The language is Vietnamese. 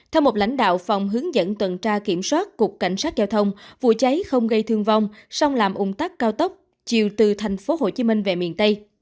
theo một lãnh đạo phòng hướng dẫn tuần tra kiểm soát cục cảnh sát giao thông vụ cháy không gây thương vong song làm ung tắc cao tốc chiều từ thành phố hồ chí minh về miền tây